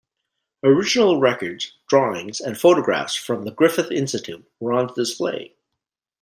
Original records, drawings and photographs from the Griffith Institute were on display.